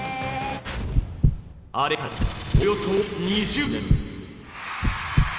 あれからおよそ２０年。